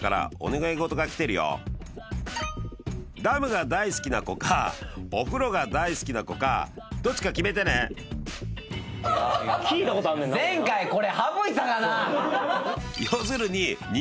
今回ダムが大好きな子かお風呂が大好きな子かどっちか決めてね・聞いたことあんねんな